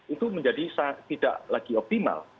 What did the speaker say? itu menjadi tidak lagi optimal